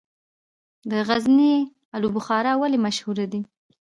د غزني الو بخارا ولې مشهوره ده؟